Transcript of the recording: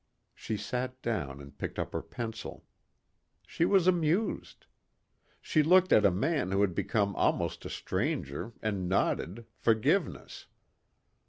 She sat down and picked up her pencil. She was amused. She looked at a man who had become almost a stranger and nodded forgiveness.